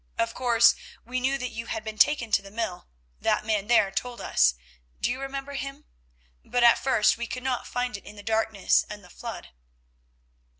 Of course we knew that you had been taken to the mill; that man there told us. Do you remember him? But at first we could not find it in the darkness and the flood."